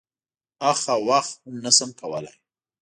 اخ او واخ هم نه شم کولای.